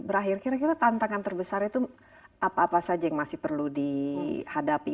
berakhir kira kira tantangan terbesar itu apa apa saja yang masih perlu dihadapi